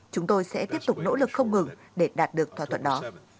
chúng tôi sẽ tiếp tục nỗ lực không ngừng để đạt được thỏa thuận đó